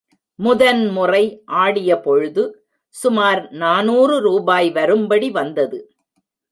முதன் முறை ஆடியபொழுது சுமார் நாநூறு ரூபாய் வரும்படி வந்தது.